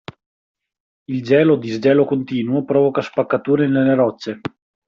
Il gelo-disgelo continuo provoca spaccature nelle rocce.